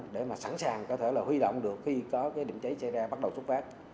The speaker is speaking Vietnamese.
để sẵn sàng có thể huy động được khi có điểm cháy xây ra bắt đầu xuất phát